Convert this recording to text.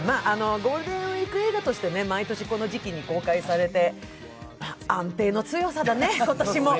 ゴールデンウイーク映画として毎年この時期に公開されて安定の強さだね、今年も。